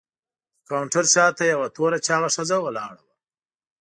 د کاونټر شاته یوه توره چاغه ښځه ولاړه وه.